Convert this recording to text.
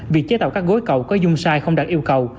việc chế tạo các gối cầu có dung sai không đạt yêu cầu